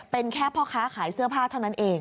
เป็นแค่พ่อค้าขายเสื้อผ้าเท่านั้นเอง